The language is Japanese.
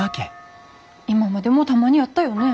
今までもたまにあったよね。